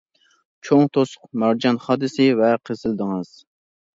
چوڭ توسۇق مارجان خادىسى ۋە قىزىل دېڭىز.